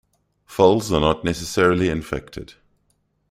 Foals are not necessarily infected.